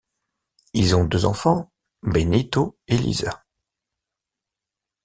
Ils ont deux enfants: Benito et Lisa.